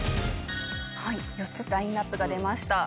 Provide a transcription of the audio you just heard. ４つラインアップが出ました。